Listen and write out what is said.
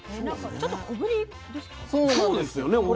そうなんですよね。